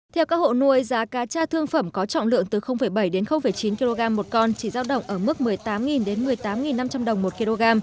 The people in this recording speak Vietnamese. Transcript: theo các hộ nuôi giá cá cha thương phẩm có trọng lượng từ bảy đến chín kg một con chỉ giao động ở mức một mươi tám một mươi tám năm trăm linh đồng một kg